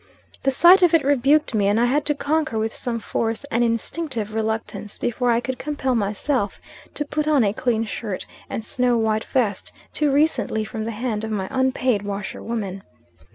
The sight of it rebuked me; and I had to conquer, with some force, an instinctive reluctance, before I could compel myself to put on a clean shirt, and snow white vest, too recently from the hand of my unpaid washerwoman.